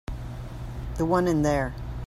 The one in there.